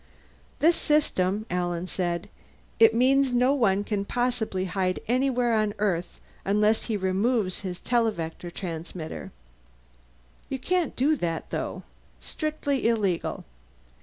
"This system," Alan said. "It means no one can possibly hide anywhere on Earth unless he removes his televector transmitter." "You can't do that, though. Strictly illegal.